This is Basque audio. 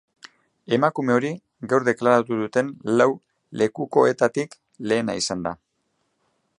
Emakume hori gaur deklaratu duten lau lekukoetatik lehena izan da.